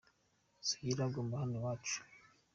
Sugira sagamba hano iwacu